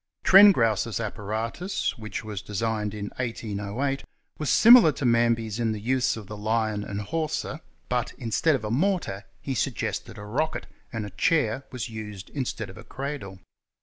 Trengrouse's apparatus, which was designed in 1808, was similar to Manby's in the use of the line and hawser, but instead of a mortar he suggested a rocket, and a chair was used instead of a cradle.